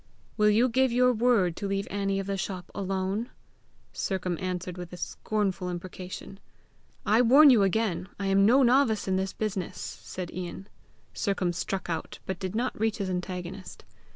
"Will you give your word to leave Annie of the shop alone?" Sercombe answered with a scornful imprecation. "I warn you again, I am no novice in this business!" said Ian. Sercombe struck out, but did not reach his antagonist.